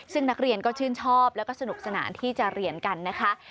ซึ่งนักเรียนก็ชื่นชอบแล้วก็สนุกสนานที่จะเรียนกันนะคะ